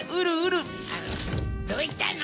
どうしたの？